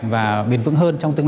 và biên phục tài chính